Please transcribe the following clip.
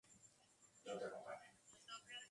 Para aquel momento su rango militar era el de coronel.